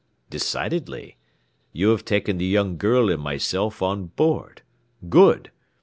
"Decidedly, you have taken the young girl and myself on board; good!